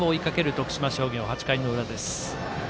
徳島商業８回の裏。